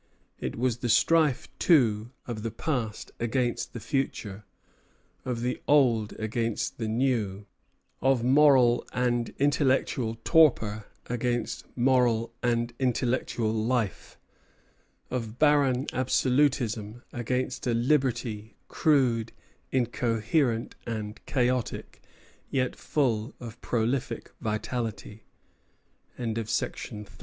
It was the strife, too, of the past against the future; of the old against the new; of moral and intellectual torpor against moral and intellectual life; of barren absolutism against a liberty, crude, incoherent, and chaotic, yet full of prolific vitality. CHAPTER II. 1749 1752.